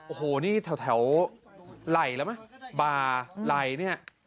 โอ้โหนี่แถวไหล่แล้วไหมบ่าไหล่เนี่ย